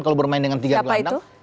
kalau bermain dengan tiga gelandang